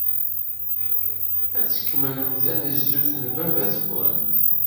Ad tkemmlemt tanezzut n baba-twent.